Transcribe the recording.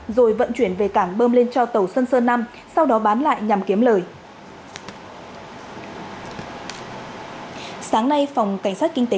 rồi vận chuyển về càng bơm lên cho tàu xuân sơn năm sau đó bán lại nhằm kiếm lời